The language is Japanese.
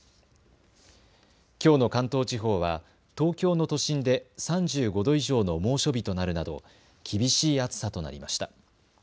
きょうの関東地方は東京の都心で３５度以上の猛暑日となるなど厳しい暑さとなりました。